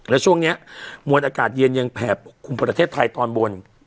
และช่วงนี้มวลอากาศเย็นยังแผ่ปกคลุมประเทศไทยตอนบน